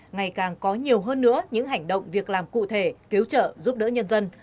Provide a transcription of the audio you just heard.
ngày càng có nhiều hơn nữa những hành động việc làm cụ thể cứu trợ giúp đỡ nhân dân